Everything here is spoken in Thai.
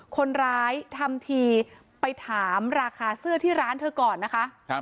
คนร้ายทำทีไปถามราคาเสื้อที่ร้านเธอก่อนนะคะ